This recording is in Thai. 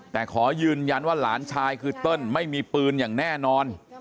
แต่ขอยืนยันว่าหลานชายคือเติ้ลไม่มีปืนอย่างแน่นอน